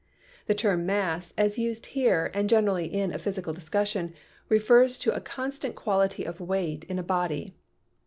The term mass, as used here and generally in a physical discussion, refers to a constant quality of weight in a body.